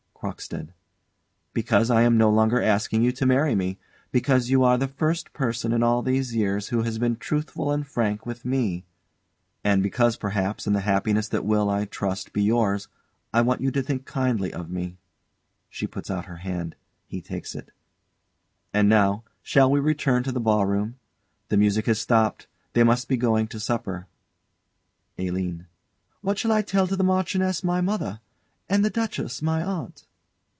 CROCKSTEAD. Because I am no longer asking you to marry me. Because you are the first person in all these years who has been truthful and frank with me. And because, perhaps, in the happiness that will, I trust, be yours, I want you to think kindly of me. [She puts out her hand, he takes it.] And now, shall we return to the ball room? The music has stopped; they must be going to supper. ALINE. What shall I say to the Marchioness, my mother, and the Duchess, my aunt?